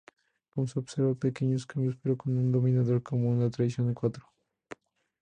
Como se observa, pequeños cambios pero con un denominador común: la tracción quattro.